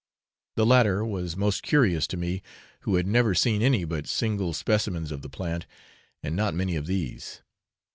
The latter was most curious to me, who had never seen any but single specimens of the plant, and not many of these.